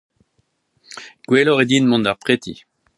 Gwelloc'h eo din mont d'ar preti.